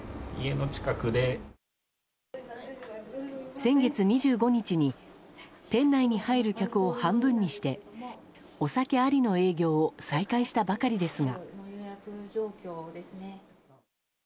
先月２５日に店内に入る客を半分にしてお酒ありの営業を再開したばかりですが。